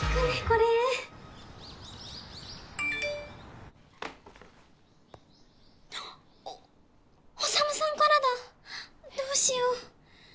これお宰さんからだどうしよう